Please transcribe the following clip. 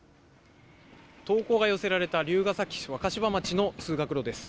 投稿が寄せられた龍ケ崎市若柴町の通学路です。